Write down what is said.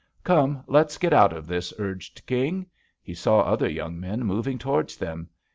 "Come, let's get out of this," urged King. He saw other young men moving towards them.